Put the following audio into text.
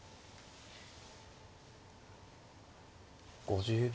５０秒。